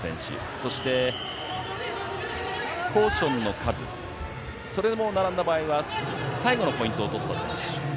そしてポーションの数、それも並んだ場合は最後のポイントを取った選手。